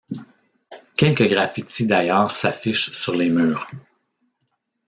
Quelques graffitis d'ailleurs s'affichent sur les murs.